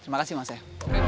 terima kasih mas ya